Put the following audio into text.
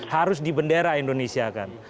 harus di bendera indonesia kan